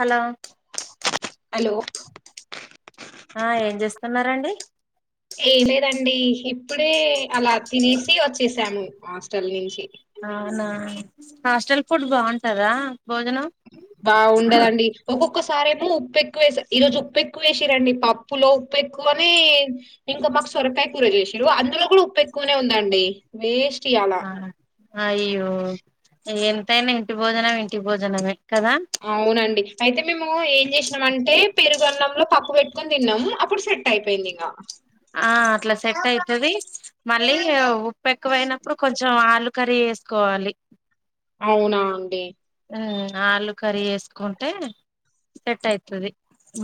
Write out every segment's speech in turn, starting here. hello hello ఆ ఏం చేస్తున్నారండి ఏ లేదండి ఇప్పుడే అలా తినేసి వచ్చేసాము హాస్టల్ నుంచి అవునా హాస్టల్ ఫుడ్ బాగుంటదా భోజనం బాగుండదండి ఒొక్క ఒకసారేమో ఉప్పు ఎక్కువ వేస ఈ రోజు ఉప్పు ఎక్కువ వేసిరండి పప్పులో ఉప్పు ఎక్కువ అని ఇంకా మాకు సొరకాయ కూర చేసిారు అందులో కూడా ఉప్పు ఎక్కువనే ఉందండి వేస్ట్ ఇయ్యాల ఆ అ అయ్యో ఎంతైనా ఇంటి భోజన ఇంటి భోజనమే కదా అవునండి అయితే మేము ఏం చేసినాం అంటే పెరుగు న్నంలో పక్క పెట్టుకుని తిన్నాము అప్పుడు సెట్ అయిపోయింది ఇంక ఆ అట్లా సెట్ అయితుది మళ్ళీ ఉప్పు ఎక్కువయినప్పుడు కొంచెం ఆలు కర్రీ చేసుకోవాలి అవునా అండి ఆలు కర్రీ వేసుకుంటే సెట్ అవుతుది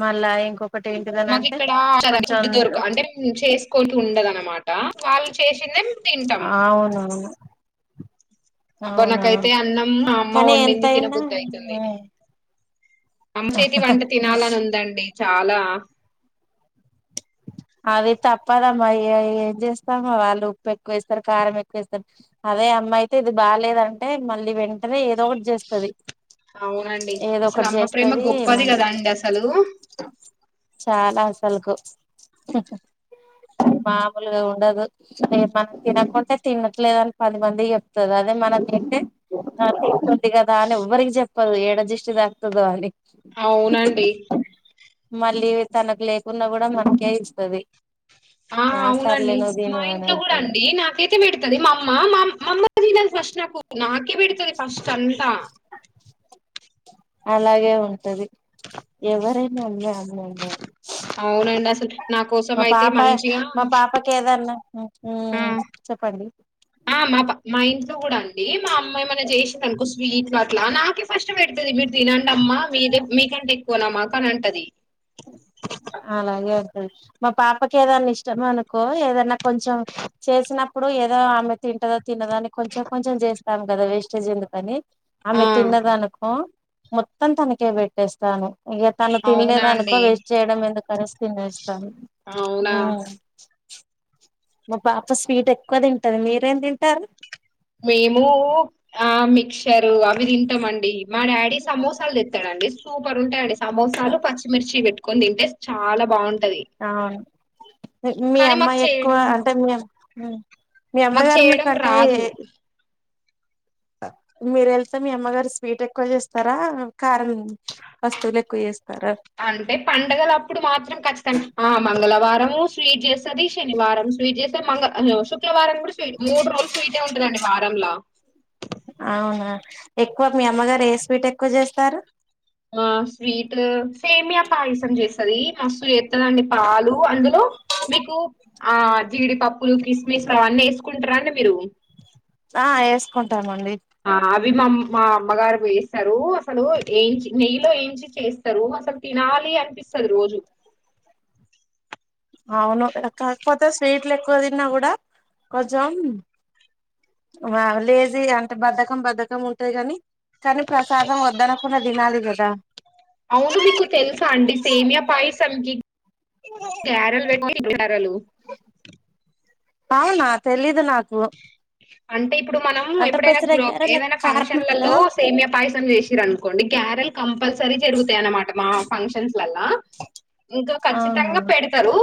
మళ్ళా ఇంకొక మాకు ఇక్కడ ఫుడ్ దొరక అంటే చేసుకుంటూ ఉండదనమాట వాళ్ళు చే చిన్నె తింటం అవునవును అబ అవునా నాకైతే అన్నం మా అమ్మ కానీ వండింది ఎంతయినా తినబుద్ధి అవుతుంది రమ్మచతి వంట తినాలని ఉందండి చాలా అది తప్పదమ్మా ఏం చేస్తామా వాళ్ళు ఉప్పు ఎక్కువ వేస్తారు కారం ఎక్కువ వేస్తారు అదే అమ్మ అయితే ఇది బాలేదంటే మళ్ళీ వెంటనే ఏదో ఒకటి చేస్తుది అవునండి అసలు అమ్మ ప్రేమ గొప్పది మళ్ళీ కదా అండి అసలు చాలా అసలుకు మామూలుగా ఉండదు మనం తినకుంటే తినట్లేదు అని పది మంది చెప్తారు అదే మనం తంటేస్తుంది కదా అని ఎవ్వరికి చెప్పదు ఏడ జిస్టి దా్తుదుో అని అవునండి మళ్ళీ తనకు లేకుడా కూడా మనకే ఇస్తుది ఆ అవునండి మా ఇంట్లో కూడా అంటది అండి నాకైతే పెడుతుంది మా అమ్మ మామ ఫస్ట్ నాకు నాకే బడతది ఫస్ట్ అంతా అలాగే ఉంటది ఎవరైనా అమ్మాే అమ్మ ఉన్నారు అవునుంట అసలు నా కోసం అయితే పాప మంచిగా మా పాపకి ఏదన్నా ఆ ఉమ్ చెప్పండి ఆ మా మా ఇంట్లో కూడా అ మా అమ్మాయి మమన్నా చేసేందినుకో స్వీట్ లో అట్లా నాకే ఫస్ట్ పెడుతుది మీరు తినండి అమ్మా మీదే మీకంటే పోనమాక అని అంటది అ అలాగే వతుంది మా పాపకి ఏదన్నా ఇష్టం అనుకో ఏదన్నా కొంచెం చేసినప్పుడు ఇప్పుడు ఏదో ఆమె తింటదా తినదా అని కొంచెం కొంచెం చేస్తాం కదా వేస్టేజ్ ఎందుకని ఆమె ఆ తిన్నదనుకో మొత్తం తనకే పెట్టేస్తాను ఇక తను అవునా తినలేదానుకో ఒక్క అండి వేస్ట్ చేయడం ఎద కలిసి తినేస్తాను అవునా మా పాప స్వీట్ ఎక్కువ తింటది మీరేం తింటారు మేము ఆ మిచర్ అవి తిమండి మా డాడీ సమోసాలు తెస్తాడండి సూపర్ ఉంటా సమోసాలు పచ్చిమిర్చి పెట్టుకని తింటే చాలా బాగుంటంది అవును మీ కానీ మాకు అమ్మాయి ఎక్కువ చేయడం అంటే మీ మీ మాకు అమ్మగారు మీకు చేయడం అంటే రాదు మీరు వెళ్తే మీ అమ్మగారు స్వీట్ ఎక్కువ చేస్తారా కారం వస్తువులు ఎక్కువ చేస్త అంటే పండగల అప్పుడు మాత్రం ఖచ్చితంగా ఆ మంగళవారము స్వీట్ జేస్తది శనివారం స్వీట్ జే త మంగ హలో శుక్రవారం కూడా స్వీట్ మూడు రోలు స్వీటే ఉంటదండి వారంలా అవునా ఎక్కువ మీ అమ్మగారు ఏ స్వీట్ ఎక్కువ చేస్తారు ఆ స్వీటు సేమ్యా పాయసం జేస్ త్తది మస్తు జేత్తది అండి పాలు అందులో మీకు ఆ జీడి పప్పులు కిస్మి స్ అవన్నీ ఎసుకుంటారా అండి మీరు ఆ ఏస్కుంటారు మ అ హాల్ వి మ మా అమ్మగారు వేస్తారు అస్సలు ఏంచి నెయ్యిలో ఏంచి చేస్తారు అసలు తినాలి ళ్ళీ అనిపిస్తది రోజు అవును కాకపోతే స్వీట్లు ఎక్కువ తిన్నా కూడా కొంచెం ఆ లేజీ అంటే బద్దకం బద్దకం ఉంటాది గాని కానీ ప్రసాదం వద్దనుకున్న దినాలి కదా అవును మీకు తెలుసా అండి సేమ్యా పాయసంకి గారెలు మినప గారెలు అవునా తెలిదు నాకు అంటే ఇప్పుడు మనం అంటే ఎప్పుడైనా పెసర గ్రోప్ గారెలు ఏదైనా కారమే కదా ఫంక్షన్లలో సేమ్యా పాయసం జేసిరు అనుకోండి గారెలు క పల్సరీ జరుగుతాయ అన్నమాట మా ఫంక్షన్స్ లల్లా ఇంకా అవునా ఖచ్చితంగా పెడతరు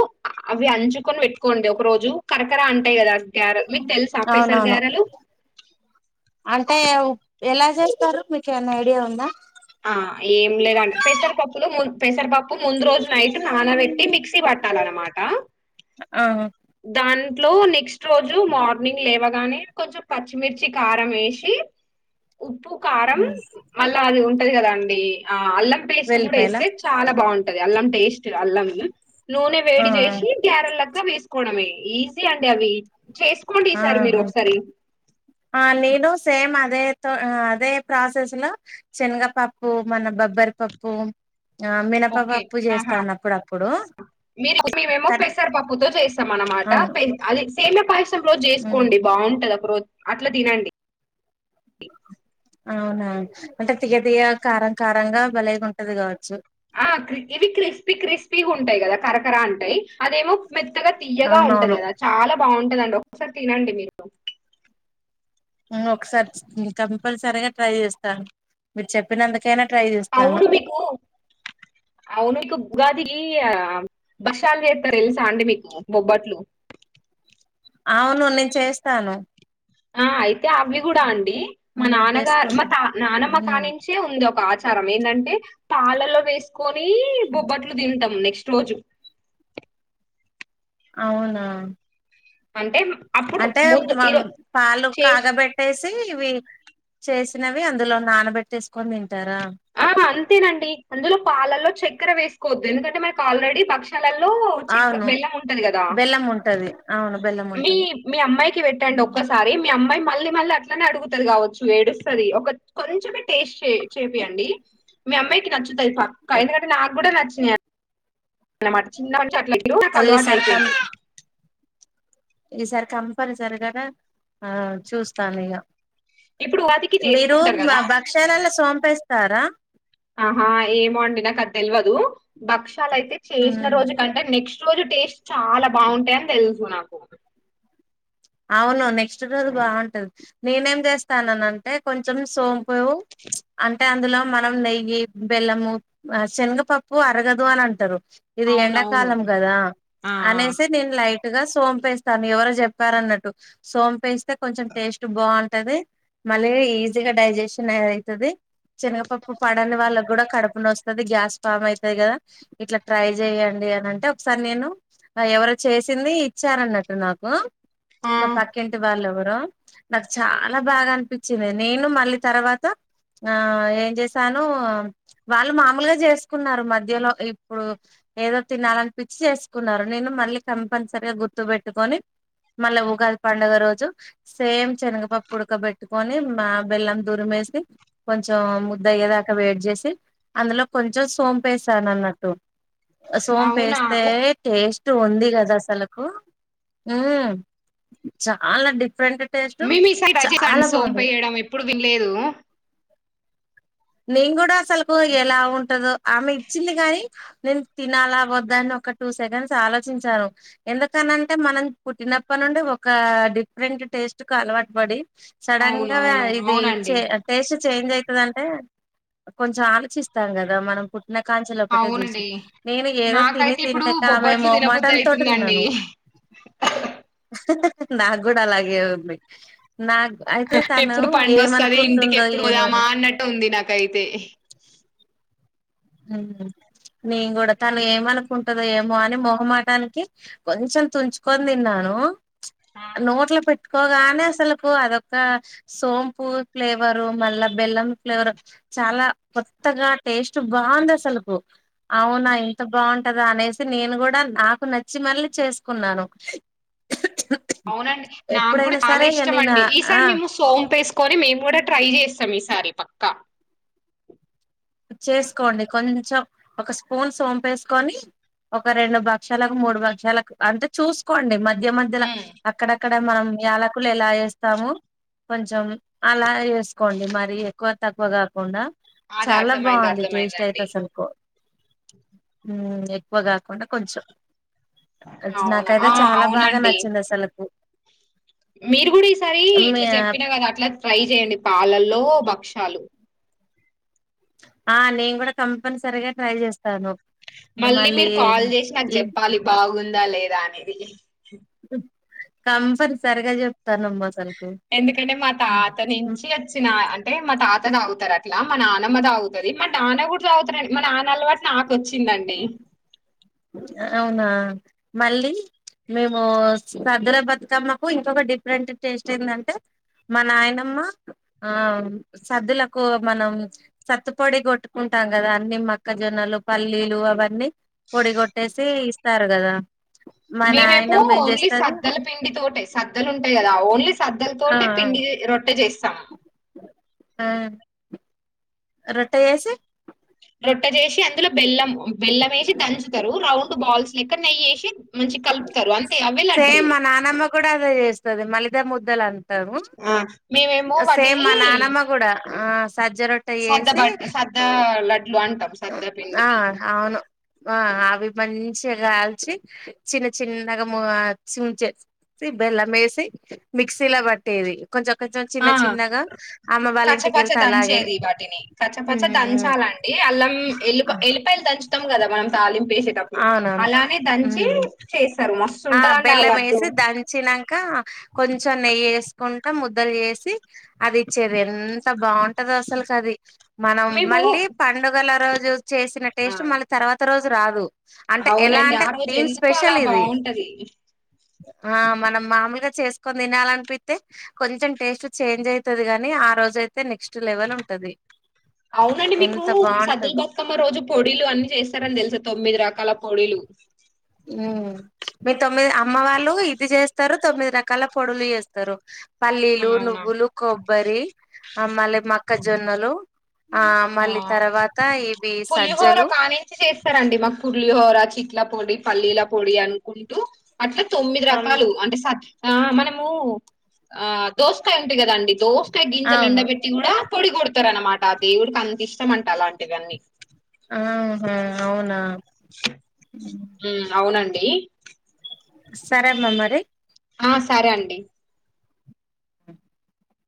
అవి అంచుకొని పెట్టుకోండి ఒక రోజు కరకర అంటాయి కదా గ్యార అవునవును అంటే ఎలా చేస్తారు మీకు ఏవన్న ఐడియా ఉందా ఆ ఏం లేదండి పెసరపప్పులు పెసరపప్పు ముందు రోజు నైట్ నాన పెట్టి మిక్సీ పట్టాలనమాట ఆ దాన్ ఇట్లో నెక్స్ట్ రోజు మార్నింగ్ లేవగానే కొంచెం పచ్చిమిర్చి కారం వేసి ఉప్పు కారం మళ్ళా అది ఉంటది కదా అండి ఆ అల్లం పేస్ట్ కూడా వెల్లిపాయల వేస్తే చాలా బావు అల్లం పెస్ట్ అల్లం నూనె ఆ వేడి చేసి గ్యారెల్ లెక్క వేసుకోడమే ఈజీ అ అ అవి చేసుకోండి ఈసారి మీరు ఆహా ఒకసారి ఆ నేను సేమ్ అదే తో అదే ప్రాసెస్ లో శనగపప్పు మన బబ్బరి పప్పు ఆ మినపపప్పు జేస్తానప్పుడప్పుడు మీ మేమేమో పెసరపప్పుతో చేస్తాం అన్నమాట అవును అది సేమ్యా పాయస్రం రోజు ఉమ్ జేసుకోండి బావుంటది ఒక రోజు అట్లా తినండి అవునా అంటే తీయ్య తీయ్య కారం కారంగా భలేగా ఉంటది గావచ్చు ఆ ఇవి క్రిస్పీ క్రిస్పీ ఉంటాయి కదా కరకరా అంటాయి అదేమో మెత్తగా తీయగా ఉంటది అవునవును గదా చాలా బావుంటదండి ఒకసారి తినండి మీరు ఒకసారి కంపల్సరీగా ట్రై చేస్తాను మీరు చెప్పినందుకు అవును మీకు అవును కుప్ గార్ దిగి ఆ బషార్ జేత్తరు తెలుసా అండి మీకు బొబ్బట్లు అవును నేను చేస్తాను ఆ అయితే అవి గూడా అండి మా నేను నాన్నగారు మా తా చేసుకుంటాను నానమ్మ కానించే ఉంది ఒక ఆచ ఏందంటే పాలలో వేసుకొని బొబ్బట్లు తింటాం నె స్టోజు అవునా అంటే అప్పుడు అంటే ముందు మ ఈరో పాలు చే కాగబెట్టేసి ఇవి చేసినవి అందులో నానబెట్టేసుకొని తింటారా ఆ అంతేనండి అందులో పాలల్లో చక్కెర వేసుకోవద్దు ఎందుకంటే మనకు ఆల్రెడీ పక్షి గలల్లో చెక్క అవును బెల్లం ఉంటది కదా బెల్లం ఉంటది అవును బెల్లం మీ ఉంటది మీ అమ్మాయికి పెట్టండి ఒక్కసారి మీ అమ్మాయి మళ్ళీ మళ్ళీ అట్లనే అడుగుతుంది కావచ్చు ఏడుస్తది ఒక కొంచమ టేస్ట్ చే అండి మీ అమ్మాయికి నచ్చుతాయి పక్క ఎందుకంటే నాకు కూడా నచ్చినయి అనమాట చిన్న మంచి అట్లారు నాకు ఓ అలవాటు ఈసారి కం అయిపోయింది ఈసారి కంపని సరిగా ఆ చూస్తాను ఇక ఇప్పుడు ఉగాదికి మీరు చేసుకుంటారు మా కదా భక్షాలలో చొంపేస్తారా ఆహా ఏమో అండి నాకు అది తెలియదు భక్షాల అయితే చేసిన హ్మ్ రోజు కంటే నెక్స్ట్ రోజు టేస్ట్ చాలా బాగుంటాయిని తెలుసు నాకు అవును నెక్స్ట్ రోజు బాగుంటది నేనేం చేస్తానాన అంటే కొంచెం సోమ్ పో అ అంటే అందులో మనం నెయ్యి బెల్లము ఆ శనగపప్పు అరగదు అని అంటారు ఇది అవునవును ఎండాకాలం కదా ఆ అనేసి నేను లైట్ గా సోంపేస్తాను ఎవరో చెప్ తారన్నట్టు సోంపేస్తే కొంచెం టేస్ట్ బాగుంట ది మళ్ళీ ఈజీగా డైజెషన్ అ అయితది శనగపప్పు పడని వాళ్ళకి కూడా కడుపున వస్తుంది గ్యాస్ పామ్ అవుతుది కదా ఇట్లా ట్రై చెయ్యండి అని అంటే ఒకసారి నేను ఎవరు చేసింది ఇచ్చార అన్నట్టు నాకు ఆ మా పాక్క ఆ ఇంటి వాళ్ళు ఎవరో నాకు చాలా బాగా అనిపించింది నేను మళ్ళీ తర్వాత ఆ ఏం చేసాను వాళ్ళు మామూలుగా చేసుకున్నారు మధ్యలో ఇప్పుడు ఏదో తినాలనిపించి చేసుకున్నారు నేను మళ్ళీ కంపల్సరగా గుర్తు పెట్టుకొని మళ్ళీ ఉగాది పండుగ రోజు సేమ్ శనగపప్పు వుడక పెట్టుకొని మా బెల్లం దూరిమి వేసి కొంచెం ముద్ద అయ్యే దాకా వయిట్ చేసి అందులో కొంచెం సోంపేశాను అన్నట్టు అవునా సోంపేస్తే ఒక్- టేస్ట్ ఉంది కదా అసలకు మ్మ్ చాలా డిఫరెంట్ టేస్ట్ మేమి సై చాలా బాగుండేది సోంపయడం ఎప్పుడు వినలేదు నేను కూడా అసలుకు ఎలా ఉంటదో ఆమె ఇచ్చింది కాని నేను తినాలా వద్దాను ఒక టూ సెకండ్స్ ఆలోచించాను ఎందుకనింటే మనం పుట్టినప్పటి నుండి ఒక డిఫరెంట్ టేస్ట్ కు అలవాటు పడి సడన్ గా అవునవును ఇది అవునండి టేస్ట్ చేంజ్ అవుతుందింటే కొంచం ఆలోచిస్తాం కదా మనం పు న్న కాంచలో ఒకటే చూసి అవునండి నేను ఏదో తిని నాకైతే ఇప్పుడు తింటాక బొబ్బట్లు మేము తినబుద్ధి మటన్ తోటి అయితుందండి తిన్నాను నాకు కూడా అలాగే ఉంది నాకు అయితే తను ఎప్పుడు పండు వస్తుంది ఇంటికి ఏమనుకుంటుందో ఎప్పుడు పోదామా ఏమోని అన్నట్టు ఉంది నాకైతే హ్మ్ నే కూడా తను ఏమనుకుంటందో ఏమో అని మొహమాటానికి కొంచెం తుంచుకొని తిన్నాను ఆ నోట్ల పె కోగానే అసలులకు అదొక్క సోంపు ఫ్లేవరు మళ్ళా బెల్లం ఫ్లేవరు చాలా కొత్తగా టేస్ట్ బాగుంది అసలులకు అవునా ఇంత బాగుంటందా అనేసి నేను కూడా నాకు నచ్చి మళ్ళీ చేసుకున్నాను అవునండి నాకు కూడా ఎప్పుడైనా చాలా సరే ఇక ఇష్టం నేను అండి ఆ ఈసారి మేము సోం వేసుకొని మేము కూడా ట్రై చేస్తాం ఈ చారి పక్క చేసుకోండి కొంచెం ఒక స్పూన్ సోంపేసుకొని ఒక రెండు పక్షాలకు మూడు పక్షాలకు అంటే చూసుకోండి మధ్య మధ్యలో ఉమ్, అక్కడక్కడ అడ మనం యాలకులు ఎలా చేస్తాము కొంచెం అలా వేసుకోండి మరి ఎక్కువ తక్కువ కాకుండా అది చాలా అర్థమైంది బాగుంది టేస్ట్ అయితే అర్థమైందండి అసలు కో మ్మ్ ఎక్కువగా కాకుండా కొంచెం అవునా నాకైతే ఆ చాలా బాగా అవునండి నచ్చింది అసలకు మీరు కూడా ఈసారి ఇట్లా చెప్పినా కదా అట్లా ట్రై చేయండి పాలల్లో బాక్షాలు ఆ నేను కూడా కంపనిసరిగా ట్రై చేస్తాను మళ్ళీ మీరు కాల్ చేసి నాకు ఈ చెప్పాలి బాగుందా లేదా అనేది కంపని సరిగా చెప్తా నమ్మ అసలు ఎందుకంటే మా తాత నుంచి వచ్చిన అంటే మా తాత తాగుతారు అట్లా మా నానమ్మ తాగుతది మా నాన్న కూడా తాగుతారండి మా నాన్న అలవాటు నాకు తెచ్చిందండి అ అవునా మళ్ళీ మేము సద్దుల బతుకమ్మకు ఇంకొక డిఫరెంట్ టేస్ట్ ఏందంటే మా నాయనమ్మ ఆ సద్దులకు మనం సత్తుపొడి కొట్టుకుం ఉంటాం కదా అన్ని మొక్కజొన్నలు పల్లీలు అవన్నీ పొడి కొట్టేసి ఇస్తారు కదా మా మేము ఏమో నాయనమ్మ ఏం ఓన్లీ చేస్తది సద్దల పిండి తోటే సద్దలు ఉంటాయి కదా ఓన్లీ సద్ ఆ మద్దలతోటే పిండి రొట్టె చేస్తాము ఆ రొట్టె చేసి రొట్టె చేసి అందులో బెల్లం బెల్లం వేసి దంచుతారు రౌండ్ బాల్స్ లెక్క నెయ్యేసి సేమ్ మా నానమ్మ కూడా అదే చేస్తది మలిద ముద్దలు అం తాను ఆ, మేమేమో ఆ సేమ్ వాటిని మా నానమ్మ కూడా ఆ సజ్జ రొట్టె సద్ద వేసి బట్ సద్ద లడ్లు అంటాం సద్ద ఆ పిండివి అవును వ అగు వి మంచిగా కాల్చి చిన్న చిన్నగా మొ ఆ సించే పి బెల్లం మేసి మిక్సీలా బట్టేది కొంచెం కొంచెం చిన్న ఆ చిన్నగా అమ్మ వాళ్ళ కచ్చపచ్చ ఇంటికెళ్తా అలాగే దంచేది ఉ ఏ అల్లం ఎల్ ఎల్లిపాయలు దంచుతాం కదా మనం తాలిం వేసేటప్పుడు అవునవును అలానే దంచి ఉమ్ చేస్తారు మస్ ఆ బెల్లం ఏసి దంచి నన్ కా కొంచెం నెయ్యి వేసుకుంటా ముద్దలు చేసి అది ఇచ్చేది ఎంత బాగుంటది గా అసలు కది మనం మేము మళ్ళీ పండుగల రోజు చేసిన ఆ టేస్ట్ మళ్ళీ తర్వాత రోజు రాదు అంటే ఎలా అవునండి అంటే దీని స్పెషల్ ఇది ఉ ఆ మనం మామూలుగా చేసుకొని తినాలనిపితే కొంచెం టేస్ట్ చేంజ్ అయితది గాని ఆ రోజు ఎత్ లెవెల్ ఉంటది అవునండి మీకు ఎంత సద్దులు బాగుంటదో బతుకమ్మ రోజు పొడీలు అన్ని చేస్తారని తెలుసా తొమ్మిది రా కల పొడిలు ఉ మీ తొమ్మిది అమ్మ వాళ్ళు ఇది చేస్తారు తొమ్మిది రకాల పొడులు చేస్తారు పల్లీలు అవునా నువ్వులు కొబ్బరి ఆ మల్లే మక్కజొన్నలు ఆ మళ్ళీ తర్వాత ఇవి పులిహోర సజ్జలు కా నుంచి చేస్తారండి మాకు పుర్లిహోర చిట్ల పొడి పల్లీల పొడి అనుకుంటూ అట్లా తొమ్మిది రకాలు అంటే స ఆ మనము ఆ దోసకాయ ఉంది కదాండి దోసకాయ గింజలు అవును ఎండబెట్టి కూడా పొడి కొడతారు అనమాట ఆ దేవుడికి అంత ఇష్టం అంట అలాంటివి అన్ని ఆహా అవునా ఉ అవునండి సరే అమ్మ మరి ఆ సరే అండి